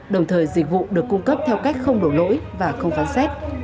đồng thời dịch vụ được cung cấp theo cách không đổ lỗi và không phán xét